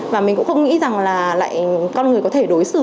và mình cũng không nghĩ rằng là lại con người có thể đối xử